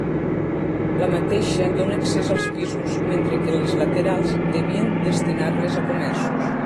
La mateixa dóna accés als pisos, mentre que les laterals devien destinar-les a comerços.